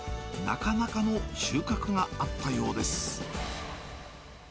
なかなかの収穫があったようです。